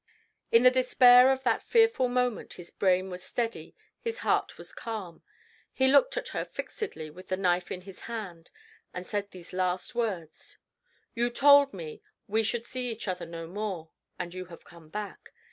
In the despair of that fearful moment his brain was steady, his heart was calm. He looked at her fixedly with the knife in his hand, and said these last words: "You told me we should see each other no more, and you have come back.